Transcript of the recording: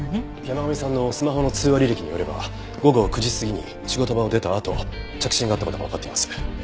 山神さんのスマホの通話履歴によれば午後９時過ぎに仕事場を出たあと着信があった事がわかっています。